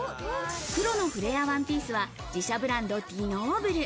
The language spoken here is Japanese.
黒のフレアワンピースは自社ブランド・ディノーブル。